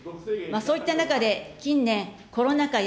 そういった中で近年、コロナ禍や